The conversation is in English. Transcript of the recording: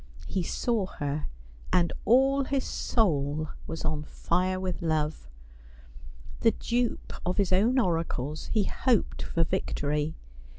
He saw her, and all his soul was on fire with love. The dupe of his own oracles, he hoped for victory.